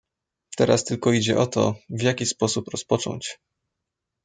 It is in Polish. "Teraz tylko idzie o to, w jaki sposób rozpocząć?"